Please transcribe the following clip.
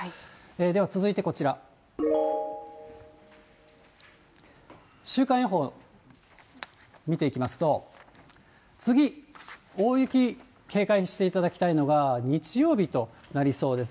では続いてこちら、週間予報見ていきますと、次、大雪警戒していただきたいのが日曜日となりそうです。